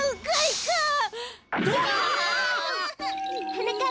はなかっ